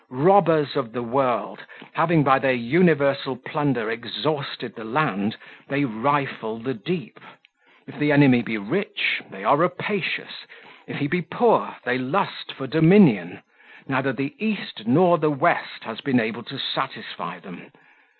Robbers of the world, having by their universal plunder exhausted the land, they rifle the deep. If the enemy be rich, they are rapacious; if he be poor, they lust for dominion; neither the east nor the west has been able to satisfy them.